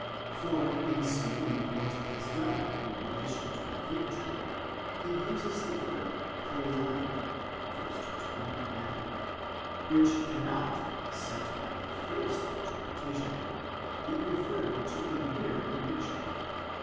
For in speaking of what he has done in relation to the fig tree, he uses the verb ποιεῖν (v. 21 Matt.); which cannot except by a forced interpretation, be referred to a mere prediction.